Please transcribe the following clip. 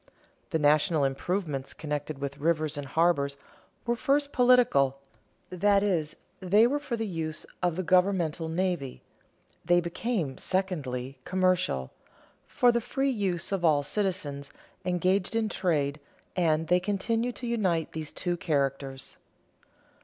The national improvements connected with rivers and harbors were first political that is, they were for the use of the governmental navy; they became, secondly, commercial for the free use of all citizens engaged in trade; and they continue to unite these two characters.